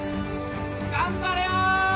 頑張れよ！